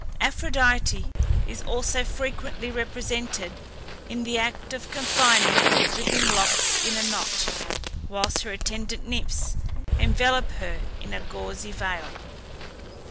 Aphrodite is also frequently represented in the act of confining her dripping locks in a knot, whilst her attendant nymphs envelop her in a gauzy veil.